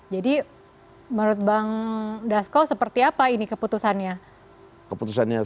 jadi menurut bang dasko seperti apa ini keputusannya